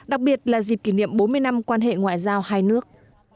đặc biệt là dịp kỷ niệm bốn mươi năm quan hệ ngoại giao hai nước